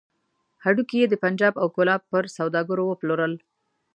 هډوکي يې د پنجاب او کولاب پر سوداګرو وپلورل.